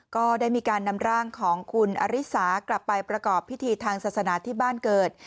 ก็ได้มีการนำร่างของคุณอริสากลับไปประกอบพิธีทางศาสนาที่บ้านเกิด